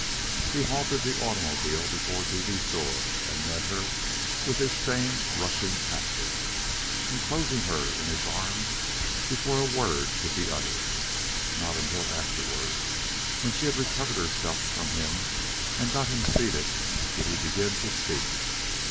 He halted the automobile before Dede's door, and met her with his same rushing tactics, enclosing her in his arms before a word could be uttered. Not until afterward, when she had recovered herself from him and got him seated, did he begin to speak.